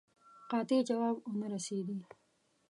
قاطع جواب ونه رسېدی.